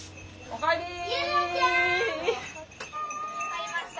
帰りました。